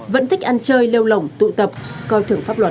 vẫn thích ăn chơi lêu lỏng tụ tập coi thưởng pháp luật